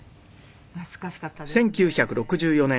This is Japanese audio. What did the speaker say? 懐かしかったですね。